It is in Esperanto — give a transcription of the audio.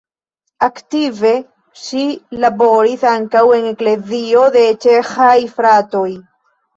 Aktive ŝi laboris ankaŭ en Eklezio de Ĉeĥaj Fratoj.